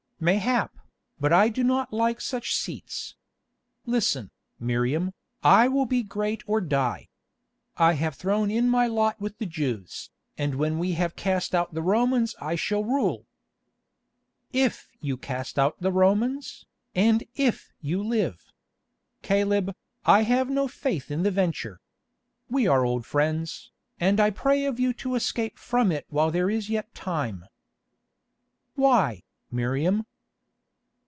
"Mayhap, but I do not like such seats. Listen, Miriam, I will be great or die. I have thrown in my lot with the Jews, and when we have cast out the Romans I shall rule." "If you cast out the Romans, and if you live. Caleb, I have no faith in the venture. We are old friends, and I pray of you to escape from it while there is yet time." "Why, Miriam?"